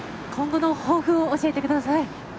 今後の抱負を教えてください。